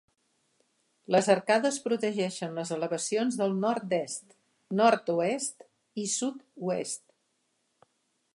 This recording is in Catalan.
Les arcades protegeixen les elevacions del nord-est, nord-oest i sud-oest.